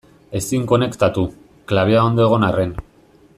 Ezin konektatu, klabea ondo egon arren.